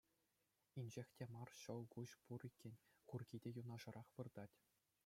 Инҫех те мар ҫӑл куҫ пур иккен, курки те юнашарах выртать.